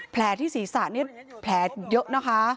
แผลที่ศรีษะเนี่ยแผลเยอะนะคะ